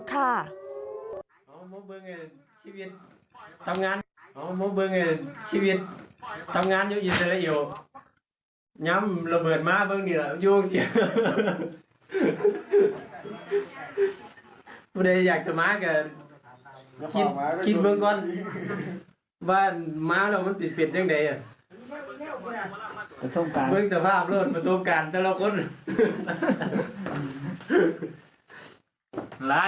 นะถึงภาพรับการแดนที่อยู่มีระเบิดมาบึงดีครับยวกใช่มั้ย